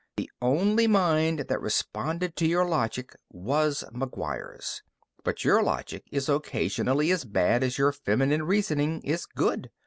The only mind that responded to your logic was McGuire's. But your logic is occasionally as bad as your feminine reasoning is good.